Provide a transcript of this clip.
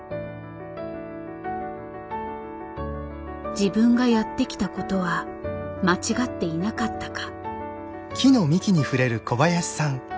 自分がやってきたことは間違っていなかったか。